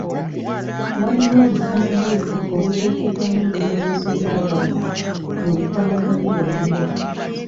Waliwo obusanduuko obuteekebwamu ebirowoozo by'abantu mu bifo awagabirwa emmere.